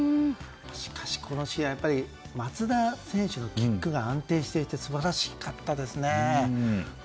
しかしこの試合松田選手のキックが安定していて素晴らしかったですね。